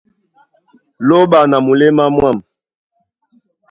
Lóɓa na muléma mwâm.